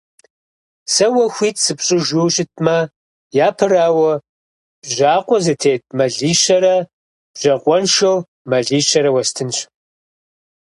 Сэ уэ хуит сыпщӀыжу щытмэ, япэрауэ, бжьакъуэ зытет мэлищэрэ бжьакъуэншэу мэлищэрэ уэстынщ.